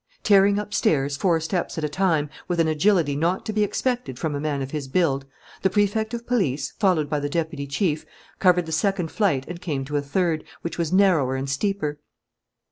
Tearing upstairs, four steps at a time, with an agility not to be expected from a man of his build, the Prefect of Police, followed by the deputy chief, covered the second flight and came to a third, which was narrower and steeper.